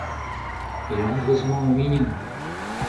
E Londrez emañ o mignon ?